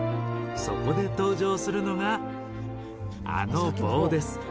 そこで登場するのが、あの棒です。